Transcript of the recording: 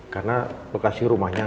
karena lokasi rumahnya